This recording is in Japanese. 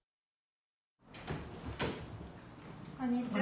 こんにちは。